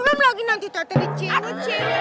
emang lagi nanti tata dicewet cewet